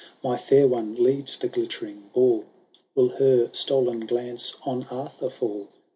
My fair one leads the glittering ball. Will her stoPn glance on Arthur fall.